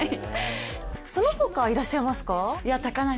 その他いらっしゃいますか？